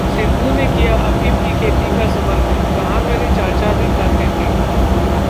सिद्धू ने किया अफीम की खेती का समर्थन, कहा- मेरे चाचा भी खाते थे